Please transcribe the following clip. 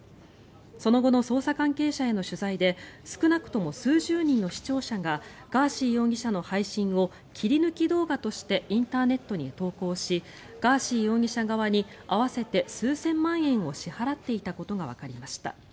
その後の捜査関係者への取材で少なくとも数十人の視聴者がガーシー容疑者の配信を切り抜き動画としてインターネットに投稿しガーシー容疑者側に合わせて数千万円を支払っていたことがわかりました。